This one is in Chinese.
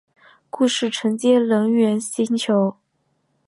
故事承接人猿星球。